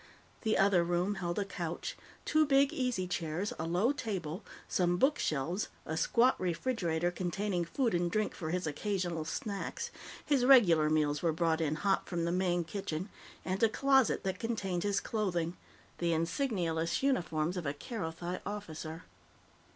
The other room held a couch, two big easy chairs, a low table, some bookshelves, a squat refrigerator containing food and drink for his occasional snacks his regular meals were brought in hot from the main kitchen and a closet that contained his clothing the insignialess uniforms of a Kerothi officer.